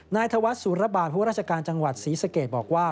ธวัฒน์สุรบาทผู้ราชการจังหวัดศรีสเกตบอกว่า